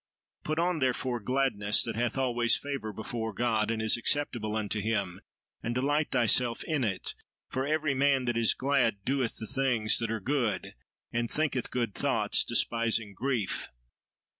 Put on therefore gladness that hath always favour before God, and is acceptable unto Him, and delight thyself in it; for every man that is glad doeth the things that are good, and thinketh good thoughts, despising grief."